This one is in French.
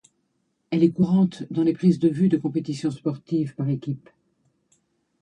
Elle est courante dans les prises de vues de compétitions sportives par équipes.